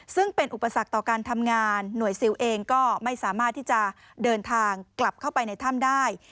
ซึ่งเป็นอุปสรรคต่อการทำงานหน่วยซิลเองก็ไม่สามารถที่จะเดินทางกลับเข้าไปในถ้ำได้